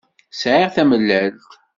Sεiɣ tamellalt